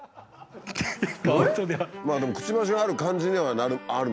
でもくちばしがある感じではあるもんね。